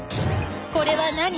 これは何？